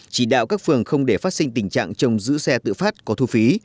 chỉ đạo các phường không để phát sinh tình trạng trông giữ xe tự phát có thu phí